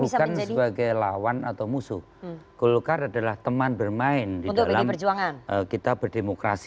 bukan sebagai lawan atau musuh golkar adalah teman bermain di dalam kita berdemokrasi